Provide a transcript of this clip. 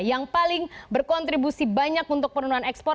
yang paling berkontribusi banyak untuk penurunan ekspor